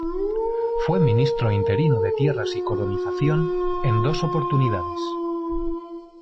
Fue Ministro Interino de Tierras y Colonización en dos oportunidades.